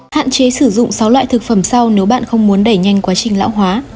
hạn chế sử dụng sáu loại thực phẩm sau nếu bạn không muốn đẩy nhanh quá trình lão hóa